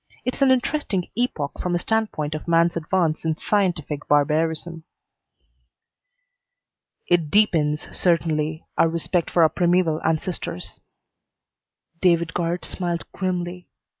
It's an interesting epoch from the standpoint of man's advance in scientific barbarism." "It deepens, certainly, our respect for our primeval ancestors." David Guard smiled grimly.